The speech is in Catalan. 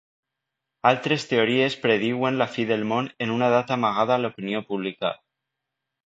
Altres teories prediuen la fi del món en una data amagada a l'opinió pública.